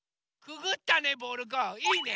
くぐったねボールくんいいね！